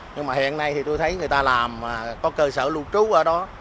nhưng mà hiện nay thì tôi thấy người ta làm có cơ sở lưu trú ở đó